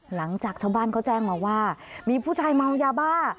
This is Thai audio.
หลังจากชาวบ้านเขาแจ้งมาว่ามีผู้ชายเมายาบ้า